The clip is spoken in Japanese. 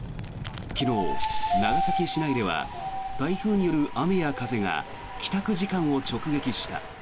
昨日、長崎市内では台風による雨や風が帰宅時間を直撃した。